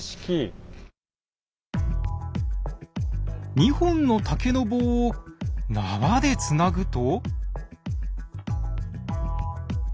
２本の竹の棒を縄でつなぐと。